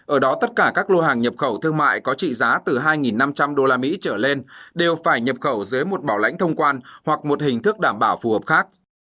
ở đó tất cả các lô hàng nhập khẩu thương mại có trị giá từ hai năm trăm linh usd trở lên đều phải nhập khẩu dưới một bảo lãnh thông quan hoặc một hình thức đảm bảo phù hợp khác